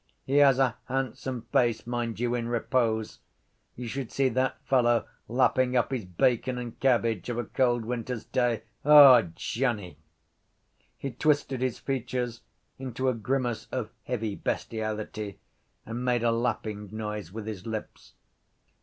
He has a handsome face, mind you, in repose. You should see that fellow lapping up his bacon and cabbage of a cold winter’s day. O Johnny! He twisted his features into a grimace of heavy bestiality and made a lapping noise with his lips.